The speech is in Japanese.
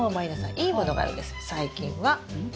いい物があるんです最近は。